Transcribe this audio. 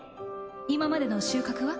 今までの収穫は？